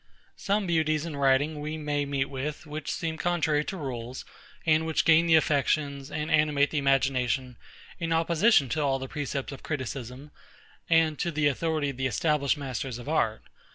Some beauties in writing we may meet with, which seem contrary to rules, and which gain the affections, and animate the imagination, in opposition to all the precepts of criticism, and to the authority of the established masters of art.